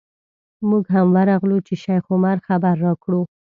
موږ هم ورغلو چې شیخ عمر خبر راکړو.